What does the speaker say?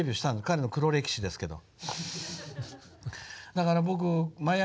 彼の黒歴史ですけど。